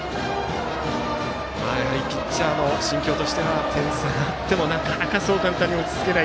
ピッチャーの心境としては点差があってもなかなかそう簡単に落ち着けない